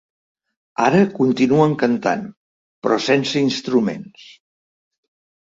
Ara continuen cantant, però sense instruments.